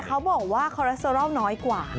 เขาบอกว่าคอเลสเตอรอลน้อยกว่า